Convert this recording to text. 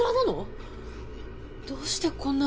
どうしてこんな。